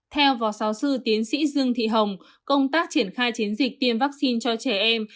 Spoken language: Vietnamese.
theo phó giáo sư tiến sĩ dương thị hồng công tác triển khai chiến dịch tiêm vaccine cho trẻ em